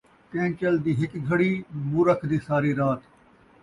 چین٘چل دی ہک گھڑی ، مورکھ دی ساری رات